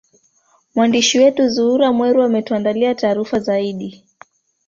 mwandishi wetu zuhra mwera ametuandalia taarifa zaidi